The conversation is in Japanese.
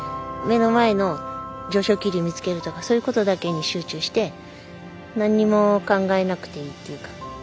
目の前の上昇気流見つけるとかそういうことだけに集中して何にも考えなくていいっていうか。